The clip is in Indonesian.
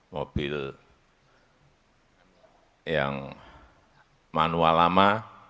mobil yang manual lama